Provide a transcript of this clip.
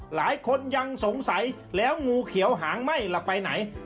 หลายคนยังสงสัยแล้วงูเขียวหางไหม้ล่ะไปไหน